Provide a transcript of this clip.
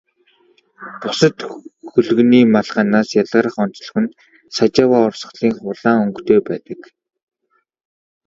Бусад хөлгөний малгайнаас ялгарах онцлог нь Сажава урсгалынх улаан өнгөтэй байдаг.